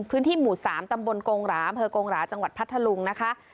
พื้นที่หมู่สามตำบลกงระเยอะกงระจังหวัดพัทรธรุงนะคะ